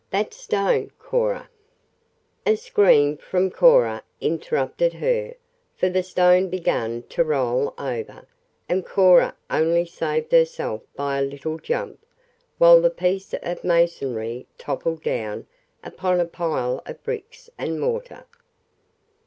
"That stone, Cora " A scream from Cora interrupted her, for the stone began to roll over, and Cora only saved herself by a little jump, while the piece of masonry toppled down upon a pile of bricks and mortar.